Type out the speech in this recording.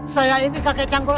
saya ini kakek canggul